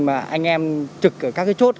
mà anh em trực ở các cái chốt